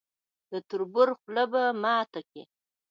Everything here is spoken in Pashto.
د تربور خوله به ماته کړي.